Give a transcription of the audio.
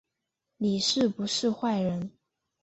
你是不是坏人